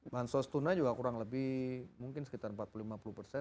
bansos tuna juga kurang lebih mungkin sekitar empat puluh lima puluh persen